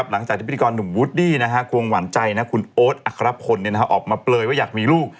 หลังจากที่พิธีกรหนุ่มวูดดี้ควงหวานใจคุณโอ๊ตอัครพลออกมาเปลยว่าอยากมีลูก